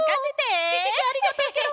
ありがとうケロ！